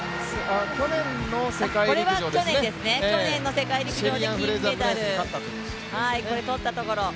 これは去年の世界陸上で金メダル、とったところ。